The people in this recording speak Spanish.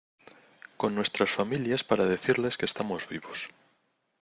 con nuestras familias para decirles que estamos vivos.